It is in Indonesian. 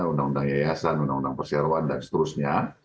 undang undang yayasan undang undang perseroan dan seterusnya